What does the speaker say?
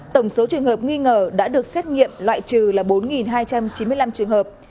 tổng số trường hợp nghi ngờ đã được xét nghiệm loại trừ là bốn hai trăm chín mươi năm trường hợp